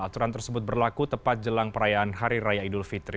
aturan tersebut berlaku tepat jelang perayaan hari raya idul fitri